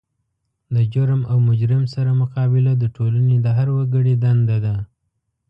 د جرم او مجرم سره مقابله د ټولنې د هر وګړي دنده ده.